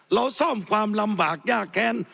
เราซ่อมความลำบากยากแค้น